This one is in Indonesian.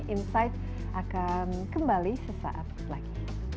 insight akan kembali sesaat lagi